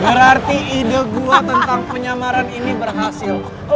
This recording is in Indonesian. berarti ide gua tentang penyamaran ini berhasil